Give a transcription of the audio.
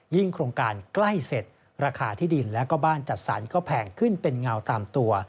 โครงการใกล้เสร็จราคาที่ดินและก็บ้านจัดสรรก็แพงขึ้นเป็นเงาตามตัว